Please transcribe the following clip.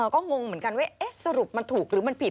ก็งงเหมือนกันว่าสรุปมันถูกหรือมันผิด